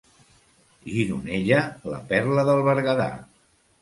Gironella, la perla del Berguedà.